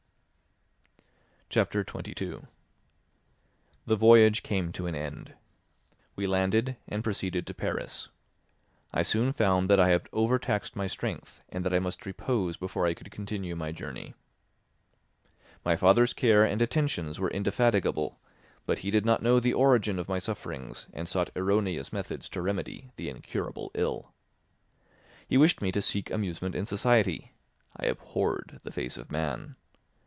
Chapter 22 The voyage came to an end. We landed, and proceeded to Paris. I soon found that I had overtaxed my strength and that I must repose before I could continue my journey. My father's care and attentions were indefatigable, but he did not know the origin of my sufferings and sought erroneous methods to remedy the incurable ill. He wished me to seek amusement in society. I abhorred the face of man.